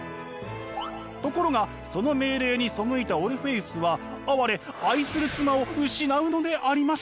ところがその命令に背いたオルフェウスは哀れ愛する妻を失うのでありました。